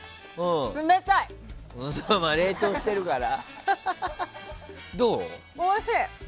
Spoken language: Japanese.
そりゃ冷凍してるから。